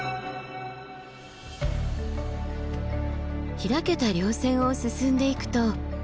開けた稜線を進んでいくと。